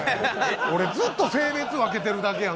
俺ずっと性別分けてるだけやんか。